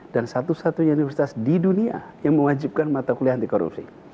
dan satu satunya universitas di dunia yang mewajibkan mata kuliah anti korupsi